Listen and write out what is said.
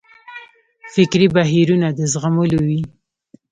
فکري بهیرونه د زغملو وي.